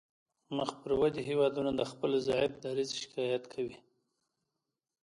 مخ پر ودې هیوادونه د خپل ضعیف دریځ شکایت کوي